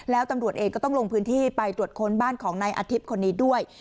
แล้วตำรวจเองก็ต้องลงพื้นที่ไปตรวจค้นบ้านของนายอาทิตย์คนนี้ด้วย